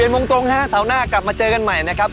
โมงตรงฮะเสาร์หน้ากลับมาเจอกันใหม่นะครับ